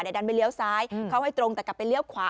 เดี๋ยวดันไปเลี้ยวซ้ายเข้าให้ตรงแต่กลับไปเลี้ยวขวา